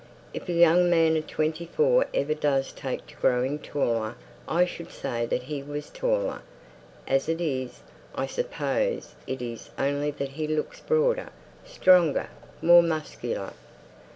"If a young man of twenty four ever does take to growing taller, I should say that he was taller. As it is, I suppose it's only that he looks broader, stronger more muscular."